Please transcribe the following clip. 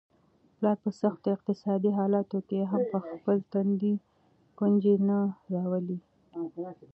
پلار په سختو اقتصادي حالاتو کي هم په خپل تندي ګونجې نه راولي.